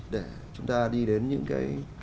để chúng ta đi đến những cái